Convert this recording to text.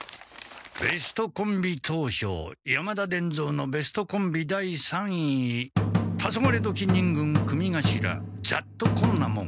「ベストコンビ投票山田伝蔵のベストコンビ第三位タソガレドキ忍軍組頭雑渡昆奈門。